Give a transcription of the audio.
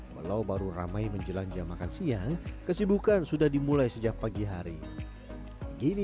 walau baru ramai menjelang jam makan siang kesibukan sudah dimulai sejak pagi hari gini